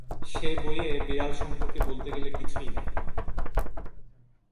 সেবইয়ে বিড়াল সম্পর্কে বলতে গেলে কিছুই নেই।